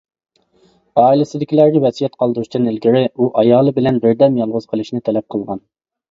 ئائىلىسىدىكىلەرگە ۋەسىيەت قالدۇرۇشتىن ئىلگىرى، ئۇ ئايالى بىلەن بىردەم يالغۇز قېلىشنى تەلەپ قىلغان.